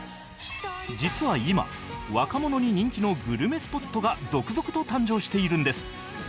実は今若者に人気のグルメスポットが続々と誕生しているんです